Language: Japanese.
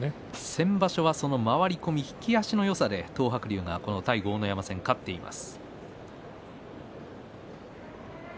先場所は回り込み引き足のよさで東白龍が勝っています。